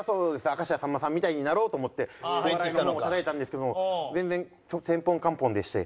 明石家さんまさんみたいになろうと思ってお笑いの門をたたいたんですけども全然テンポンカンポンでして。